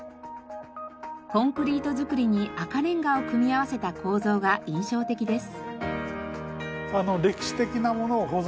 コンクリート造りに赤レンガを組み合わせた構造が印象的です。